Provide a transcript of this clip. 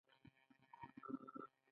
پټ پیغامونه را رسېدل.